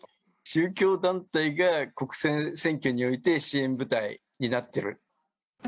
宗教団体が国政選挙において支援部隊になってる。